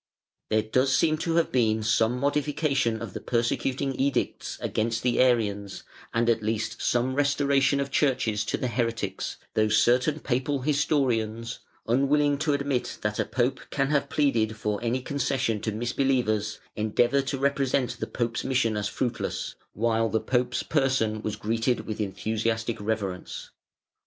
There does seem to have been some modification of the persecuting edicts against the Arians, and at least some restoration of churches to the heretics, though certain Papal historians, unwilling to admit that a pope can have pleaded for any concession to misbelievers, endeavour to represent the Pope's mission as fruitless, while the Pope's person was greeted with enthusiastic reverence.